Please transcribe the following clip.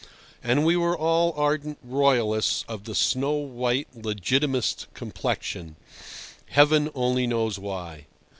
And we were all ardent Royalists of the snow white Legitimist complexion—Heaven only knows why!